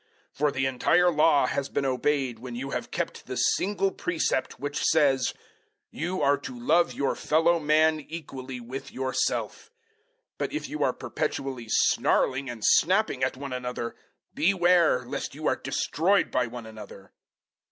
005:014 For the entire Law has been obeyed when you have kept the single precept, which says, "You are to love your fellow man equally with yourself." 005:015 But if you are perpetually snarling and snapping at one another, beware lest you are destroyed by one another.